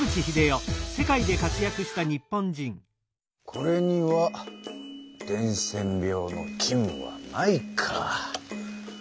これには伝染病の菌はないか。